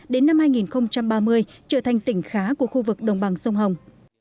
đến năm hai nghìn ba mươi trở thành tỉnh khá của khu vực đồng bằng sông hồng